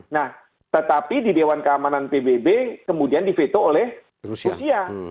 nah tetapi di dewan keamanan pbb kemudian diveto oleh rusia